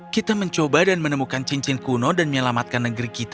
kita mencoba dan menemukan cincin kuno dan menyelamatkan negeri kita